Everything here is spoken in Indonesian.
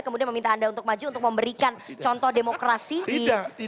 kemudian meminta anda untuk maju untuk memberikan contoh demokrasi di partai golkar yang seperti ini